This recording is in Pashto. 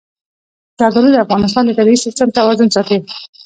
زردالو د افغانستان د طبعي سیسټم توازن ساتي.